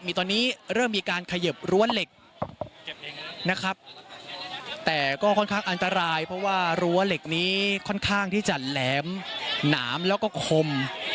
มีตอนนี้เริ่มมีการเขยิบรั้วเหล็กนะครับแต่ก็ค่อนข้างอันตรายเพราะว่ารั้วเหล็กนี้ค่อนข้างที่จะแหลมหนามแล้วก็คม